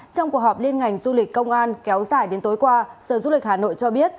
trong cuộc họp liên ngành du lịch công an kéo dài đến tối qua sở du lịch hà nội cho biết